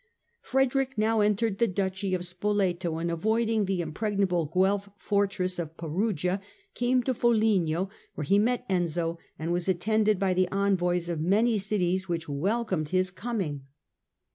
Frederick now entered the Duchy of Spoleto and, avoiding the impreg nable Guelf stronghold of Perugia, came to Foligno, where he met Enzio and was attended by the envoys of many cities which welcomed his coming.